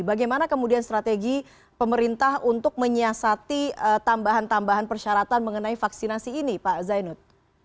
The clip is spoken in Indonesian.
bagaimana kemudian strategi pemerintah untuk menyiasati tambahan tambahan persyaratan mengenai vaksinasi ini pak zainud